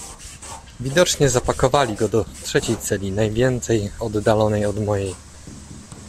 "Widocznie zapakowali go do trzeciej celi, najwięcej oddalonej od mojej."